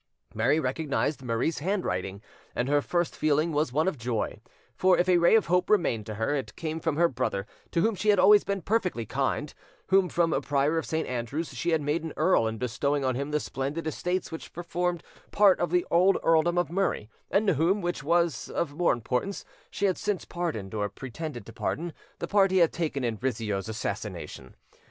Mary recognised Murray's handwriting, and her first feeling was one of joy; for if a ray of hope remained to her, it came from her brother, to whom she had always been perfectly kind, whom from Prior of St. Andrew's she had made an earl in bestowing on him the splendid estates which formed part of the old earldom of Murray, and to whom, which was of more importance, she had since pardoned, or pretended to pardon, the part he had taken in Rizzio's assassination.